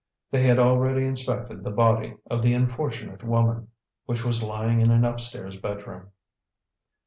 They had already inspected the body of the unfortunate woman, which was lying in an upstairs bedroom.